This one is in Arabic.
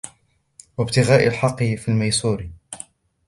وَابْتِغَاءِ الْحَقِّ فِي الْمَيْسُورِ